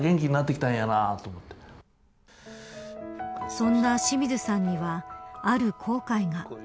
そんな清水さんにはある後悔が。